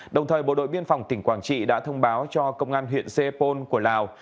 đồng thời bộ đội biên phòng tỉnh quảng trị đã thông báo cho công an huyện xe pôn của lào